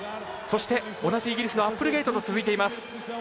そして同じイギリスのアップルゲイトと続いています。